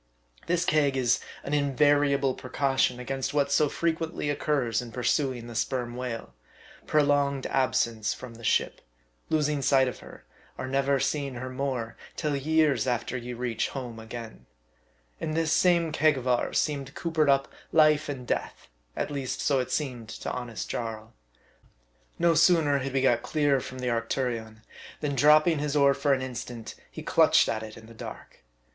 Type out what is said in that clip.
This keg is an in variable precaution against what so frequently occurs in pursuing the sperm whale prolonged absence from the ship, losing sight of her, or never seeing her more, till years after you reach home again. In this same keg of ours seemed coopered up life and death, at least so seemed it to honest Jarl. No sooner had we got clear from the Arctu rion, than dropping his oar for an instant, he clutched at it in the dark.